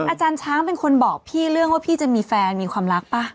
อาจารย์ช้างเป็นคนบอกพี่เรื่องว่าพี่จะมีแฟนมีความรักป่ะ